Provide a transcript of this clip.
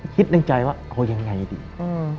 คิดในใจว่าเอายังไงดีอืม